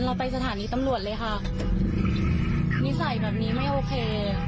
เราไปสถานีตำรวจเลยค่ะนิสัยแบบนี้ไม่โอเค